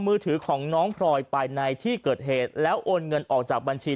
มือถือของน้องพลอยไปในที่เกิดเหตุแล้วโอนเงินออกจากบัญชี